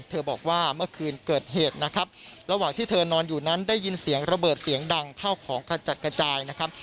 บอกว่าเมื่อคืนเกิดเหตุนะครับระหว่างที่เธอนอนอยู่นั้นได้ยินเสียงระเบิดเสียงดังเข้าของกระจัดกระจายนะครับ